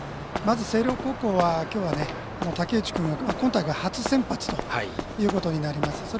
まず星稜高校はきょうは武内君は、今大会初先発ということになります。